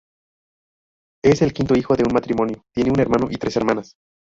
Es el quinto hijo de un matrimonio, tiene un hermano y tres hermanas.